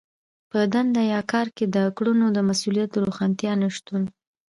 په دنده يا کار کې د کړنو د مسوليت د روښانتيا نشتون.